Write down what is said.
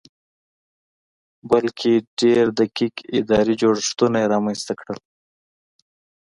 بلکې ډېر دقیق اداري جوړښتونه یې رامنځته کړل